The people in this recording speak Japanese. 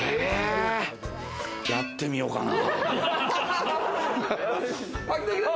やってみようかな。